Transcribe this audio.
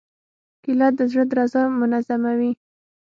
کېله د زړه درزا منظموي.